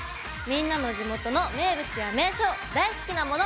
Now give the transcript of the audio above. みんなの地元の名物や名所大好きなもの。